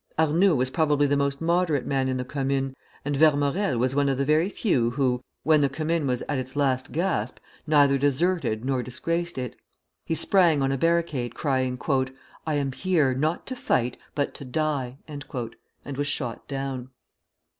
Arnould was probably the most moderate man in the Commune, and Vermorel was one of the very few who, when the Commune was at its last gasp, neither deserted nor disgraced it. He sprang on a barricade, crying: "I am here, not to fight, but to die!" and was shot down.